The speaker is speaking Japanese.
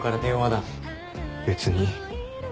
別に。